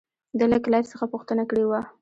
ده له کلایف څخه پوښتنه کړې وه.